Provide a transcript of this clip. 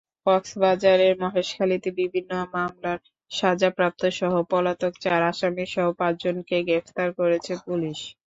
কক্সবাজারের মহেশখালীতে বিভিন্ন মামলার সাজাপ্রাপ্তসহ পলাতক চার আসামিসহ পাঁচজনকে গ্রেপ্তার করেছে পুলিশ।